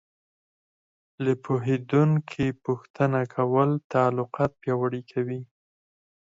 له پوهېدونکي پوښتنه کول تعلقات پیاوړي کوي.